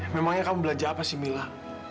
memangnya kamu belanja apa sih mila